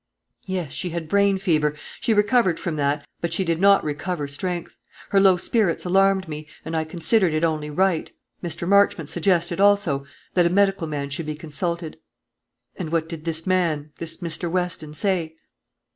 "Yes; she had brain fever: she recovered from that, but she did not recover strength. Her low spirits alarmed me, and I considered it only right Mr. Marchmont suggested also that a medical man should be consulted." "And what did this man, this Mr. Weston, say?"